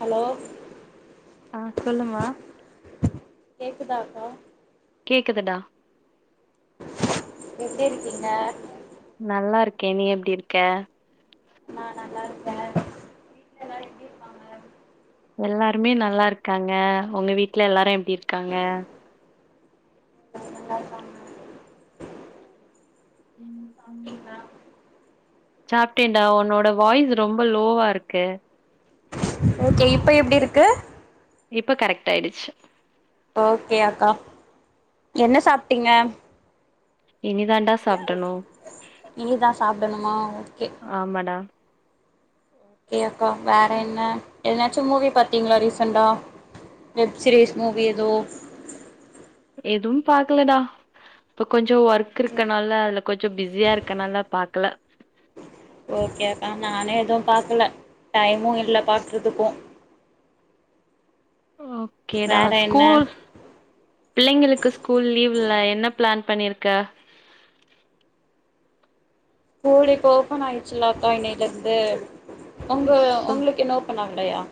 Hello ஆ சொல்லுமா கேக்குதாக்கா கேக்குதுடா எப்டிருக்கீங்க நல்லாருக்கே நீ எப்டிருக்க நா நல்லாருக்கே வீட்ல எல்லாரு எப்டிருக்காங்க எல்லாருமே நல்லாருக்காங்க உங்க வீட்ல எல்லாரு எப்டி இருக்காங்க [inaudible] சாப்டிங்களா சாப்ட்டேன்டா உன்னோட வாய்ஸ் ரொம்ப லோவா இருக்கு ஓகே இப்ப எப்டி இருக்கு இப்ப கரெக்ட் ஆயிடுச்சு ஓக்கோ அக்கா என்ன சாப்ட்டிங்க இனிதான்டா சாப்டணும் இனிதா சாப்டணுமா ஓகே ஆமடா [unintelligible] ப்போ வேற என்ன என்ன ச்சோ மூவி பாத்தீங்களா ரீசண்டா வெப் சீரிஸ் மூவி எதோ எதும் பாக்கலடா இப்ப கொஞ் சூ ஒர்க் இருக்கனால அலக் கொஞ்சம் பிஸியா இருக்கனால பாக்கல ஓகே அக்கா நானே எதுவு பாக்கல டைமும் இல்ல பாக்குறதுக்கு ஓக்கேடா வேற என்ன ஸ்கூல் பிள்ளைங்களுக்கு ஸ்கூல் லீவுல்ல என்ன பிளான் பண்ணிருக்க கூலு இப்போ ஓபன் ஆயிச்சுலக்கா இன்னைலிருந்து ஓ, உங்க சு- உங்களுக்கு என்னவோ செயா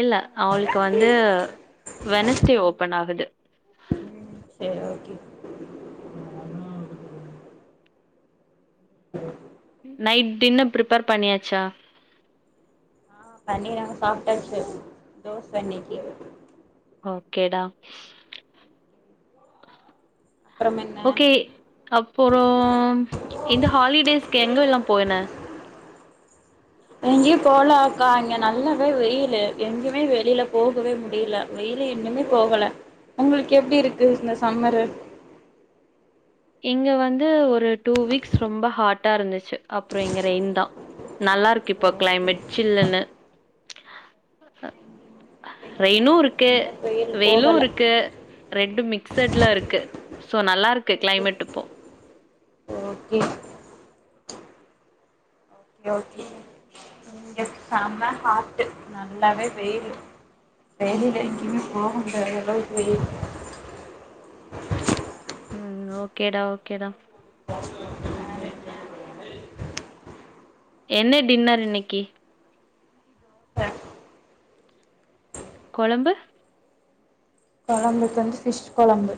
இல்ல அவளுக்கு வந்து வெனஸ்டே ஓப்பன் ஆகுது சரி ஓக்கே [inaudible] [unintelligible] நைட் டின்னு பிரிப்பர் பண்ணியாச்சா ஆ பண்ணி நாங்க சாப்ட்டாச்சு தோச இன்னைக்கு ஓக்கேடா அப்புறம் என்ன ஓகே அப்புறம் இந்த ஹாலிடேஸ்க எங்கல்லா போன எங்கேயும் போல அக்கா இங்க நல்லாவே வெயிலு எங்யுமே வெளில போகவே முடியல வெளில இன்னுமே போகல உங்களுக்கு எப்படி இருக்கு இந்த சம்மரு இங்க வந்து ஒரு டூ வீக்ஸ் ரொம்ப ஹாட்டா இருந்துச்சு அப்புற இங்க ரெயின் தா நல்லா இருக்கு இப்போ கிளைமேட் சில்லன்னு ரெயினு க்கு இன்னு வெயில் வெயிலு போகல இருக்கு ரெண்டு மிக்சட்ல இருக்கு சோ நல்லா இருக்கு கிளைமேட் இப்போ ஓக்கே ஓகே ஓகே இங்க செம ஹாட்டு நல்லாவே வெயில் வெயிலில் எங்கயுமே போகமுடியாத அளவுக்கு வெயில் ம் ஓக்கேடா ஓக்கேடா என்ன டின்னர் இன்னிக்கு கொழம்பு கொலம்புக்கு வந்து பிஸ் கொலம்பு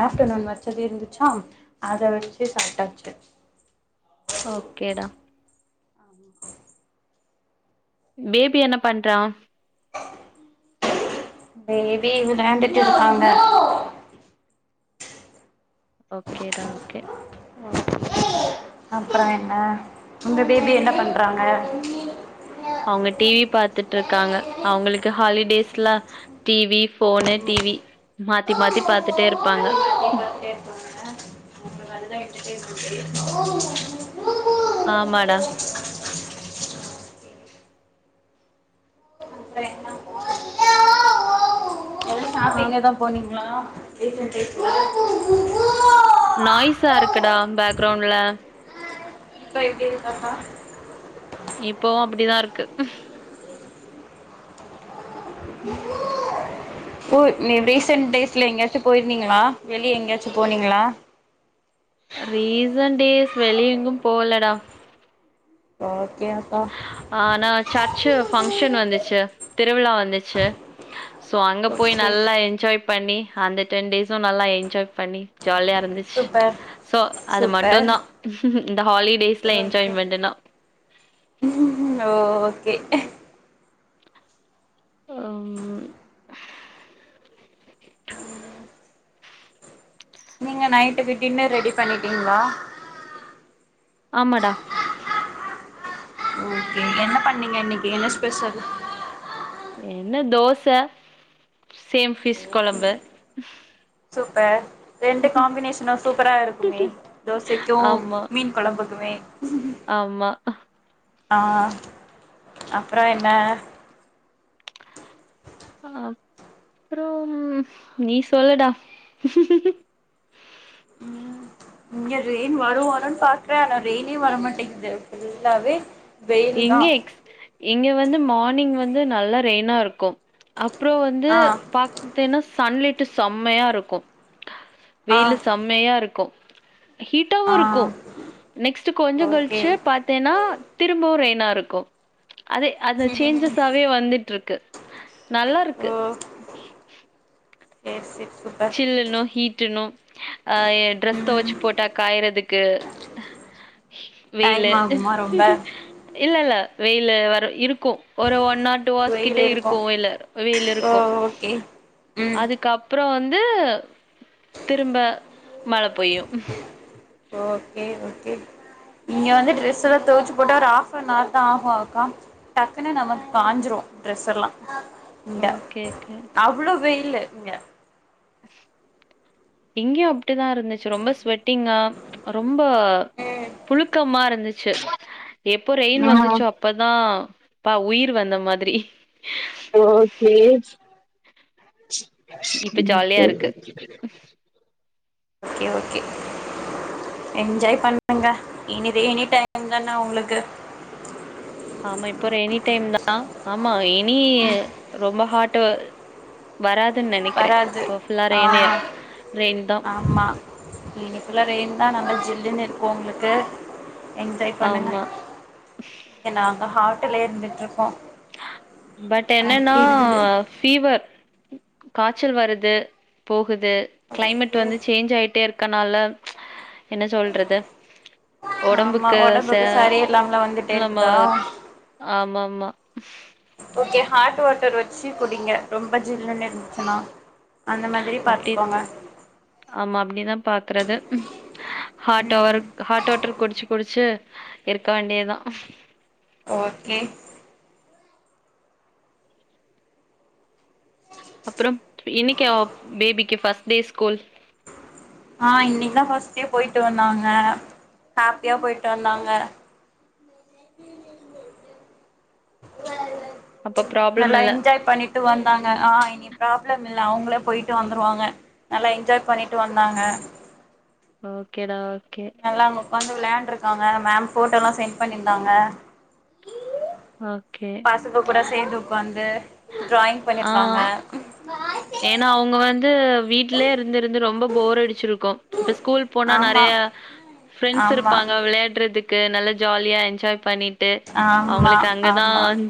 ஆப்ட்டர்நூன் வச்சது இருந்துச்சா அத வச்சு சாப்ட்டாச்சு ஓக்கேடா ஆம் பேபி என்ன பண்றா பேபி விளாண்டுட்டு இருக்காங்க ஓகே டா ஓகே அப்றோ என்ன உங்க பேபி என்ன பண்றாங்க அவுங்க டி வி பாத்துட்ருக்காங்க அவுங்ளுக்கு ஹாலிடேஸ்ல T V phone T V மாத்தி மாத்தி பாத்துட்டேருப்பாங்க மாத்தி பாத்துட்டே இருப்பாங்க அவங்களுக்கு [inaudible] ஆமாடா க்கு அப் இங்கதா போனிங்ளா [inaudible] நாய்ஸா இருக்குடா பேக்ரவுண்ட்ல சோ எப்டி இருக்கப்பா இப்பவு அப்டிதா இருக்கு ஊய் நீ ரீசன்ட் டேஸ்ல எங்கேயாச்சு போயிருந்தீங்களா வெளிய எங்கேயாச்சு போனீங்களா ரீசண்ட் டேஸ் வெளிய எங்கும் போலடா ஓகே அக்கா ஆனா சர்ச்சு பங்க்ஷன் வந்துச்சு திருவிழா வந்துச்சு சோ அங்க போய் ஓகே நல்லா என்ஜாய் பண்ணி அந்த டென் டேஸு நல்லா என்ஜாய் பண்ணி ஜாலியா இருந்துச்சு சூப்பர் சோ அது சூப்பர் மட்டுதா இந்த ஹாலிடேஸ்ல என்ஜாய்மெண்டனா ம் ஓகே அம் நீங்க நைட்டுக்கு டின்னர் ரெடி பண்ணிட்டீங்ளா ஆமாடா ஓகே என்ன பண்ணீங்க இன்னைக்கு என்ன ஸ்பெசல் என்ன தோச சேம் ஃபிஷ் கொழம்பு சூப்பர் ரெண்டு காம்பினேஷனு சூப்பரா இருக்குமே தோசைக்கு ஆமா மீன் கொழம்புக்குமே ஆமா அப்பற என்ன ஆஹ் அப்றம் நீ சொல்லுடா ம் இங்க ரெயின் வரு வருன்னு பாக்றே ஆனா ரெயினே வரமாட்டேங்குது ஃபுல்லாவே வெயில் தா இங்க எக்ஸ் இங்க வந்து மார்னிங் வந் து நல்லா ரெயினாருக்கு அப் அப்புற வந்து ஆ பாத்துட்டின்னா சன்லிட் டு செம்மையாருக்கு ஆ வெயிலு செம்மையாருக்கு ஹீட்டாவு ஆ இருக்கு நெக்ஸ்ட் ஓகே கொஞ்சங்கழிச்சு பாத்தேனா திப் ப்போ ரெய்னாருக்கு அதே அந்த சேஞ்சஸாவே வந்துட்ருக்கு ஓ நல்லாருக்கு சேர் சேரி சில்லுனு ஹீட்டுனு அஹ் எ ட்ரெஸ் ம் தொவச்சு போட்டா காயறது க்கு ஹ டைம் வெயிலு ஆகுமா ரொம்ப இல்லல்ல வெயிலு வர இருக்கும் ஒரு ஒன் நாட்டு வாசிக்கிட்டே இருக்கு கோயில வெயில்ல ஓ இருக்கு ஓகே ம் அதுக்கப்பறம் வந் ந்து திரும்ப மழ பொய்யு கே ஓகே இங்க வந்து ட்ரெஸ் தொவச்சு போட்டா ஒரு ஆஃப் அன் ஆர் தா ஆகும்அக்கா டக்குன்னு நம்ம காஞ்சிரு ட்ரெஸ் எல்லா இந்த ஓகே ஓகே அவ்வளோ வெய் இல்ல இங்க இங்யு அப்படிதாருந்துச்சு ரொம்ப ஸ்வெட்டிங்கா ரொம்ப புழுக்கமாருந்துச்சு எப்போ ரெயின் ஆ வந்துச்சோ அப்பதா பா உயிர் வந்த மாதிரி ஓ கே இப்ப ஜாலியாருக்கு கே ஓகே என்ஜாய் பண்ணுங்க இனிதே எனி டைம் தானா உங்களுக்கு ஆமா இப்ப ரெனி டைம் தா ஆமா நீய் ரொம்ப ஹாட் டு வராது வராது. ஆஹ் ரெயின் தா ஆமா இன்னிக்குள்ள ரெயின் ஆஹ் நல்லா ஜில்லுனு இருக்கும் ஒங்ளுக்கு என்ஜாய் பண்ணுங்க. ஆமா இங்கெ நாங்க ஹாட் தில இருந்துட் இருக்கோம். பட் என்னன்னா இருக்குது பீவர் காய்ச்சல் வருது. போக குது. கிளைமேட் வந்து சேஞ் ஆகிட்டே இருக் இருக்கன்னால ப்ச் என்ன சொல்றது ஆமா ஒடம்புக்கு சரி இல்லாம்லா வந்துட்டே நம்ம இருக்குதா ஆமா ஆமா ஓகே ஹார்ட் வாட்டர் டர் வச்சி குடிங்க. ரொம்ப ஜில்லுனு இருந்துச்சின்னா. அந்த மாதிரி அப்டி பாத்துக்கோங்க. க்குறது ஹாட் வர் ம் ஹாட் வாட்டர் குடிச்சி குடிச்சி இருக்க வேண்டியதா ஓகே அப்றம் இன்னக்கா பேபிக்கி பஸ்ட் டே ஸ்கூல் ஆ இன்னிக்குதா ஃபஸ்ட் டே போயிட்டு வந்தாங்க, ஹாப்பியா போயிட்டு வந்தாங்க. அப்ப ப்ராப்ளம் நல்லா இல்ல என்ஜாய் பண்ணிட்டு வந்தாங்க. ஆ இனி ப்ராப்ளம் இல்ல, அவுங்களே போயிட்டு வந்துருவாங்க. நல்லா என்ஜாய் பண்ணிட்டு வந்தாங்க. ஓகேடா நல்லா அவுங்க ஒக்காந் வெளையாண்ட்ருக்காங்க. மேம் போட்டோல்லா சென்ட் பண்ணிருந்தாங்க. ஓகே பசங்க கூட சேந்து ஒக்காந்து ட்ராயிங் ஆ பண்ணிருப்பாங்க. ஏன்னா அவுங்க வந்து வீட்லயே இருந்து இருந்து ரொம்ப போர் அடிச்சிருக்கும். இப்ப ஸ்கூல் போனா ஆமா நெறய ஃபிரெண்ட்ஸ் ஆமா இருப்பாங்க வெளையாட்றதுக் க்கு. நல்லா ஜாலியா என்ஜாய் பண்ணிட் ட்டு ஆமா அவுங்களுக்கு ஆமா அங்கதான்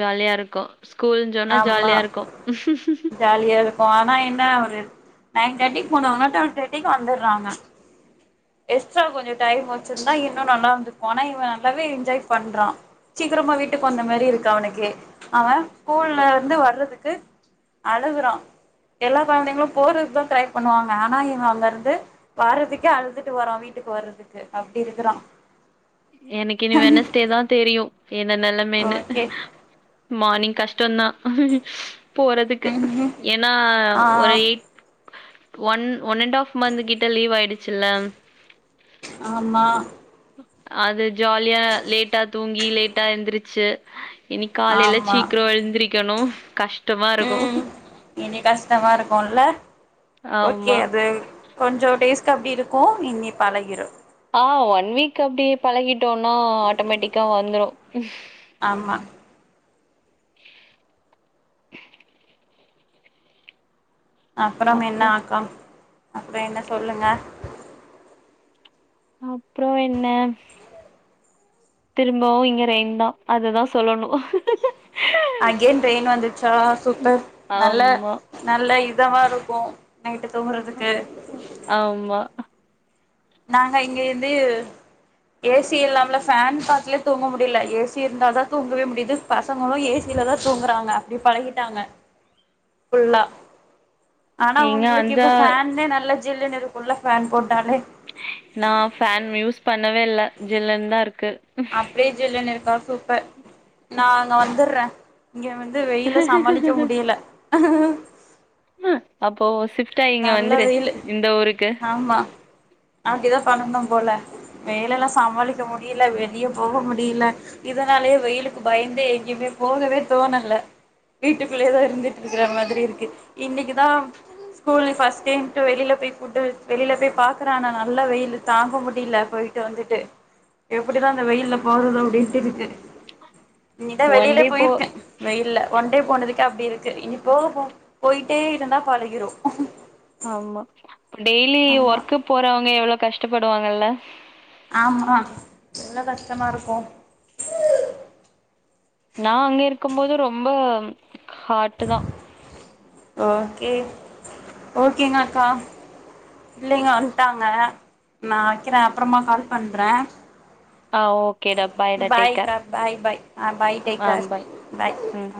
ஜாலியா இருக்கோ ஸ்கூல்னு ஜொன்னா ஆமா ஜாலியா இருக் க்கும் ஜாலியா இருக்கு ஆனா என்ன ஒரு நைன் தேர்ட்டிக்கு போணங்கனா டென் தேர்ட்டிக்கு வந்துறாங்க எக்ஸ்ட்ரா கொஞ்ச டைம் வச்சிருந்தா இன்னு நல்லா இருந்துருக்கு ஆனா இவ நல்லாவே என்ஜாய் பண்றா சீக்ரமா வீட்டுக்கு வந்த மாரி இருக்கு அவுனுக்கே அவன் ஸ்கூல்ல இருந்து வர்றதுக்கு அழுகுறா எல்லா கொழந்தைங்களு போறதுக்கு தான் க்ரை பண்ணுவாங்க ஆனா இவ அங்க இருந்து வர்றதுக்கே அழுதுட்டு வரா வீட்டுக்கு வர்றதுக்கு அப்டி இருக்குறா எனக்கி இனி வெனஸ்டே தா தெரியு என்னென்னலா மென்னு ஓகே மார்னிங் கஷ்ட தா போறதுக்கு ம் ஏன்னா ஆ ஒரு eight one one and half month கிட்ட லீவ் ஆயிடுச்சுல ஆமா அது ஜாலியா லேட்டா தூங்கி லேட்டா எந்திருச்சு இன்னிக் காலைல ஆமா சீக்ர எழுந்திரிக்கணு கஷ் ம் இனி கஷ்டமா இருக் போல்ல ஓகே ஆமா அது கொஞ்சோ டேஸ் இன்னைக்கு அப்டி இருக்கு இனி பழகிடு ஆ ஒன் வீக் அப்டி பழகிட்டோனா ஆட்டோமேட்டிக்கா வந்துரு ஆமா அப்புறம் என்ன அப்றோ அக்கா அப்ற என்ன சொல்லுங்க அப்ரோ என்ன திரும்பவு இங்க ரெயின்தா அதுதா சொல்லணு அகைன் ட்ரெய்ன் வந்துச்சா சூப்பர் நல்ல ஆமா நல்ல இ இதமா இருக்கு நைட்டு தூங்றதுக்கு ஆமா நாங்க இங்க வந்து ஏசி இல்லாமல ஃபேன் காத்து தூங்க முடியல ஏசி இருந்தாதா தூங்கவே முடியுது பசங்களு ஏசியிலதா தூங்குறாங்க அப்டி பழகிடாங்க புல்லா ஆனா நீங்க உங்ளுக்கு அந்த இப்ப ஃபேன்லயே நல்ல ஜில்லுனு இரு ஃபுல்ல ஃபேன் போட்டாலே நா ஃபேன் யூஸ் பண்ணவே இல்ல ஜில்லுன்தா இருக்கு அப்டியே ஜில்லுனு த சூப்பர் நா அங்க வந்த்ர்ர இங்க வந்து வெயில சமாளிக்க முடியல ஆஹ் ஹ அப்போ சிப்ட் ஆயி இங்க வந்துரு வெயிலு இந்த ஊருக்கு ஆமா அப்டிதா பண்ணணு போல வேலைலாம் சமாளிக்க முடியல வே வெளிய போக முடியல இதனாலயே வெயிலுக்கு பயந்தே எங்கேயுமே போகவே தோணல வீட்டுக்குள்ளயே தா இருந்துட்டு இருக்குற மாதிரி இருக்கு இன்னைக்குதா ஸ்கூல் ஃபர்ஸ்ட் டே ன்ட்டு வெளியில போய் கூட்டு வெளியில போய் பாக்குறான் ஆனா நல்லா வெயிலு‌ தாங்க முடில போயிட்டு வந்துட்டு எப் எப்படிதா இந்த வெயில்ல போறது அப்படின்ட்டு [unintelligible] இனிதான் ஒன் வெளில டே போ போயிருக்கேன் வெயில ஒண் டே போனதுக்கே அப்படி இருக்கு இனி போக போ போய் தே இருந்தா பழகிரும் ஆமா டெய்லி ஒர்க்‌ போறவங்க எவ்ளோ கஷ் டப்படுவாங்கல ஆமா எவ்ளோ கஷ்டமா இருக்கும் நா அங்க இருக்கும் போது ரொம்ப ஹாட்டு தா கே ஓகேங்க அக்கா இல்லைங்க வந்டாங்க நா வைக்கிறே அப்புறமா கால் பன்றே ஆ ஓகேடா பாய்டா டேக் பாய் கேர் கா பாய் பாய் ஆஹ் பாய் டேக் கர் பாய் ம்